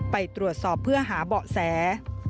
ไปตรวจสอบเพื่อหาเบาะแส